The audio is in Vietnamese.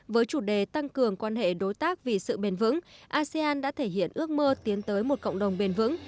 với chủ đề tăng cường quan hệ đối tác vì sự bền vững asean đã thể hiện ước mơ tiến tới một cộng đồng bền vững